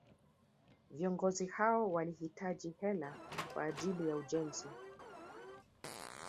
Viongozi hao walihitaji hela kwa ajili ya ujenzi